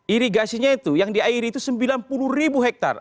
irigasinya itu yang diairi itu sembilan puluh ribu hektare